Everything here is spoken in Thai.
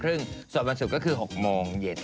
ซึ่งสวัสดิ์วันศุกร์ก็คือ๖โมงเย็น